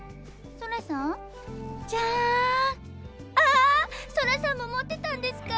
ソラさんも持ってたんですか？